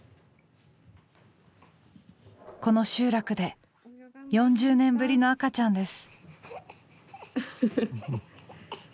この集落で４０年ぶりの赤ちゃんです。